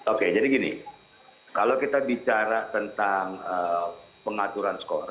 oke jadi gini kalau kita bicara tentang pengaturan skor